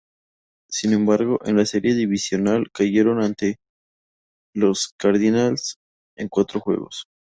Sin embargo, en la Serie Divisional cayeron ante los Cardinals en cuatro juegos.